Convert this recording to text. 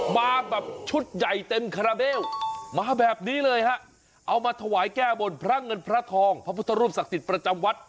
มาแบบชุดใหญ่เต็มคาราเบลมาแบบนี้เลยฮะเอามาถวายแก้บนพระเงินพระทองพระพุทธรูปศักดิ์สิทธิ์ประจำวัด